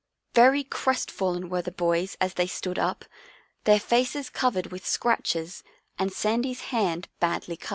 Very crestfallen were the boys as they stood up, their faces covered with scratches and Sandy's hand badly cut.